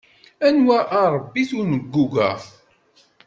Anwa arebit ur nenguga.